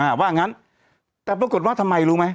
ว่างั้นแต่ปรากฏว่าทำไมรู้ไหม